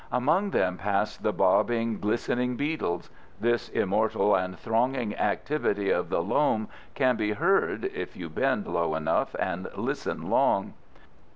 Among them pass the bobbing, glistening beetles. This immortal and thronging activity of the loam can be heard, if you bend low enough and listen long.